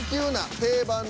「定番の」